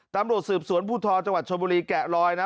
ตำรวจสืบสวนภูทธอจชนบุรีแกะลอยนะ